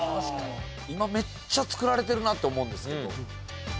今めっちゃ造られてるなって思うんですけど。